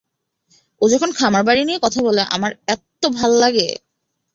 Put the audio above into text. ও যখন খামারবাড়ি নিয়ে কথা বলে আমার এত্ত ভাল্লাগে!